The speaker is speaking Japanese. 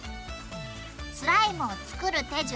スライムを作る手順